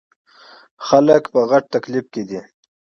خلک په غټ تکليف کښې دے ـ